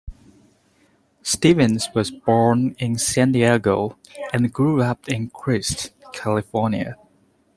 Stevens was born in San Diego and grew up in Crest, California.